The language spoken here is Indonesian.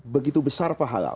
begitu besar pahala